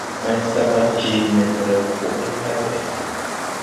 Maysaba jee mendrew ko ɓil pay ɓɛ.